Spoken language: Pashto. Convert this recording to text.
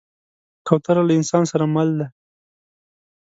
کوتره له انسان سره مل ده.